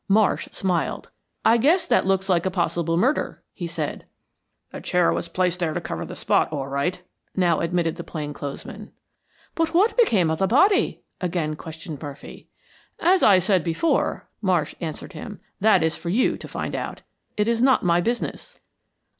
Marsh smiled. "I guess that looks like a possible murder," he said. "The chair was placed there to cover the spot, all right," now admitted the plain clothes man. "But what became of the body?" again questioned Murphy. "As I said before," Marsh answered him, "that is for you to find out. It is not my business."